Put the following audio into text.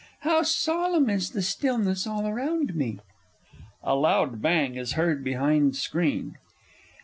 How solemn is the stillness all around me! [_A loud bang is heard behind screen.